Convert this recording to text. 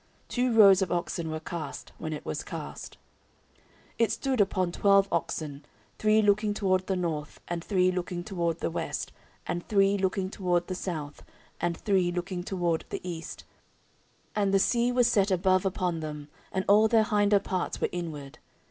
Two rows of oxen were cast, when it was cast. 14:004:004 It stood upon twelve oxen, three looking toward the north, and three looking toward the west, and three looking toward the south, and three looking toward the east: and the sea was set above upon them, and all their hinder parts were inward.